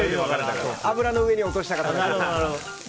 油の上に落としたかったので。